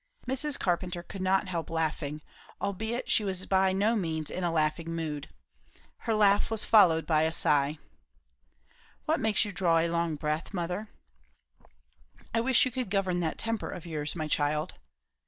Mrs. Carpenter could not help laughing, albeit she was by no means in a laughing mood. Her laugh was followed by a sigh. "What makes you draw a long breath, mother?" "I wish you could govern that temper of yours, my child."